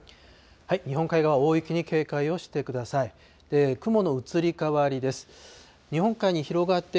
日本海側、大雪に警戒をしてください。